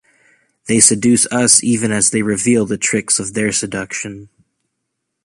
They seduce us even as they reveal the tricks of their seduction.